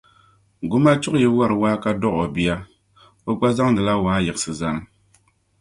Gumachuɣu yi wari waa ka dɔɣi o bia, o gba zaŋdila waa yiɣisi zani.